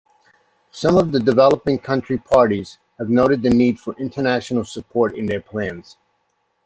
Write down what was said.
Some developing country Parties have noted the need for international support in their plans.